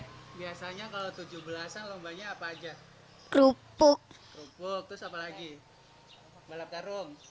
hai biasanya kalau tujuh belas an lombanya apa aja kerupuk kerupuk terus apalagi balap karung